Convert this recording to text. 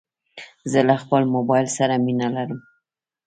زه له خپل موبایل سره مینه لرم.